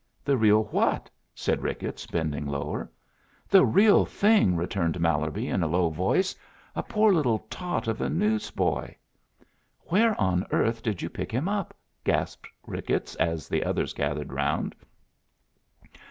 "The real what?" said Ricketts, bending lower. "The real thing," returned Mallerby, in a low voice. "A poor little tot of a newsboy " "Where on earth did you pick him up?" gasped Ricketts, as the others gathered around.